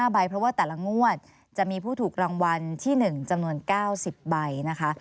ใบเพราะว่าแต่ละงวดจะมีผู้ถูกรางวัลที่๑จำนวน๙๐ใบนะคะ